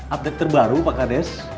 update terbaru pak kades